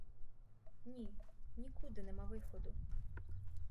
Ні, нікуди нема виходу!